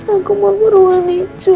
aku mau ke rumah nijo